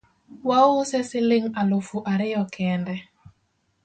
Wause siling alufu ariyo kende